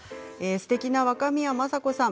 すてきな若宮正子さん